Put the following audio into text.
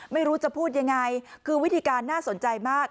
ไม่รู้จะพูดยังไงคือวิธีการน่าสนใจมาก